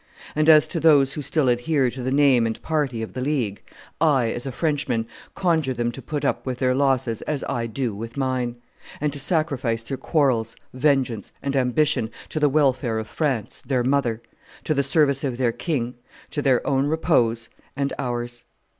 ... And as to those who still adhere to the name and party of the League, I, as a Frenchman, conjure them to put up with their losses as I do with mine, and to sacrifice their quarrels, vengeance, and ambition to the welfare of France, their mother, to the service of their king, to their own repose and ours.